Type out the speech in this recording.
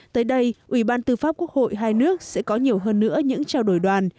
tới đây ủy ban tư pháp quốc hội hai nước sẽ có nhiều hơn nữa những trao đổi đoàn